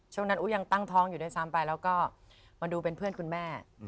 ช่วงนั้นอุ๊ยังตั้งท้องอยู่ด้วยซ้ำไปแล้วก็มาดูเป็นเพื่อนคุณแม่